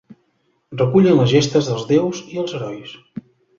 Recullen les gestes dels déus i els herois.